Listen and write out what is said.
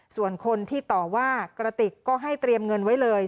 ส่วนคนที่ต่อว่ากระติกก็ให้เตรียมเงินไว้เลย